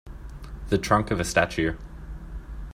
The trunk of a statue.